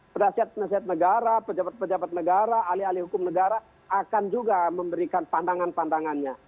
penasihat penasihat negara pejabat pejabat negara alih alih hukum negara akan juga memberikan pandangan pandangannya